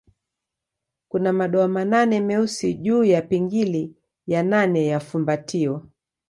Kuna madoa manne meusi juu ya pingili ya nane ya fumbatio.